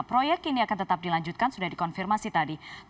proyek ini akan tetap dilanjutkan sudah dikonfirmasi tadi